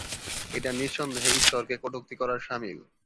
এটা নিঃসন্দেহে ঈশ্বরকে কটূক্তি করার সামিল।